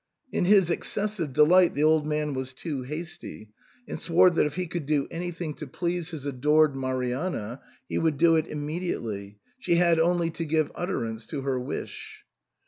In his excessive delight the old man was too hasty, and swore that if he could do anything to please his adored Marianna he would do it imme diately, she had only to give utterance to her wish.